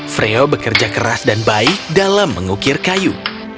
freo bekerja keras dan baik dalam mengukir kayu